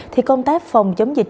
thì công tác phòng chống dịch